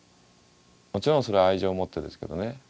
もちろんそれは愛情を持ってですけどね。